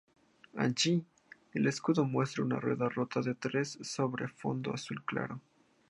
Allí, el escudo muestra una rueda rota en tres sobre fondo azul claro.